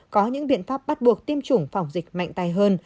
có những biện pháp bắt buộc tiêm chủng phòng dịch mạnh tay hơn